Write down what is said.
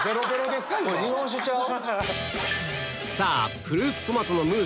日本酒ちゃう？